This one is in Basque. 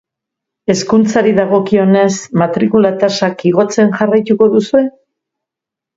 Hezkuntzari dagokionez, matrikula tasak igotzen jarraituko duzue?